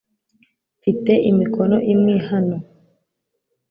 mfite imikino imwe hano